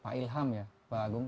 pak ilham ya pak agung